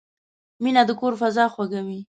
مینه د کور فضا خوږوي.